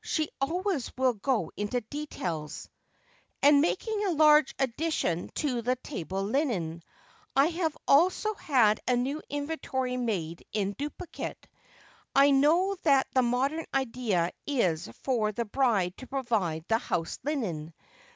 she always will go into details —" and making a large addition to the table linen. I have also had a new inventory made in duplicate. I know that the modern idea is for the bride to provide the house linen.